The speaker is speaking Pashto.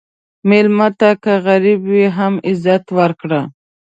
مېلمه ته که غریب وي، هم عزت ورکړه.